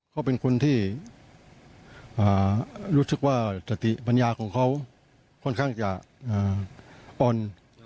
เขาเป็นคนที่รู้สึกว่าสติปัญญาของเขาค่อนข้างจะอ่อน